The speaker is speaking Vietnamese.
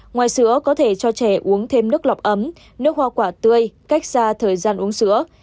ngoài sữa có thể cho trẻ uống thêm nước lọc ấm nước hoa quả tươi cách xa thời gian uống sữa